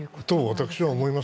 私はそう思います。